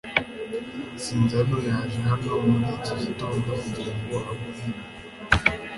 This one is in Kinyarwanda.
Sinzano yaje hano muri iki gitondo kugirango aguhe ibi .